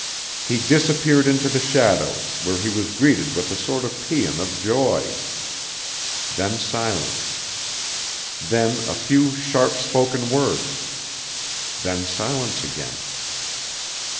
He disappeared into the shadows where he was greeted with a sort of pæan of joy. Then silence. Then a few sharp spoken words. Then silence again.